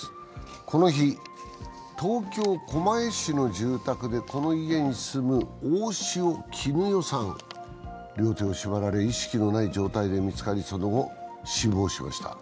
この日、東京・狛江市の住宅でこの家に住む大塩衣与さんが両手を縛られ意識のない状態で見つかり、その後、死亡しました。